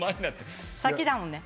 先だもんね。